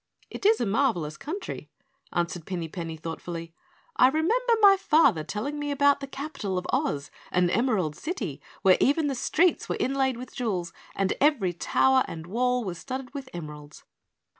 "It is a marvelous country," answered Pinny Penny thoughtfully. "I remember my father telling me about the capital of Oz, an Emerald City, where even the streets were inlaid with jewels and every tower and wall was studded with emeralds."